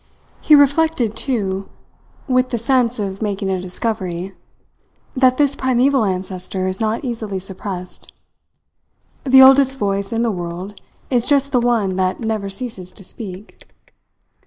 He reflected, too, with the sense of making a discovery, that this primeval ancestor is not easily suppressed. The oldest voice in the world is just the one that never ceases to speak.